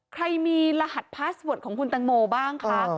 ใครมีรหัสพาสเวิร์ดของคุณตังโมบ้างคะ